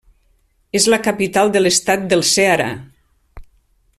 És la capital de l'estat del Ceará.